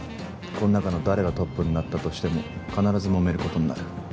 こん中の誰がトップになったとしても必ずもめることになる。